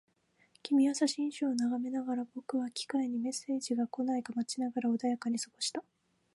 君は写真集を眺めながら、僕は機械にメッセージが来ないか待ちながら穏やかに過ごした